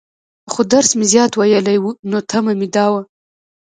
خو درس مې زيات وويلى وو، نو تمه مې دا وه.